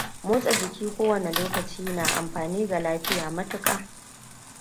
Motsa jiki ko wane lokaci na amfani ga lafiya matuƙa.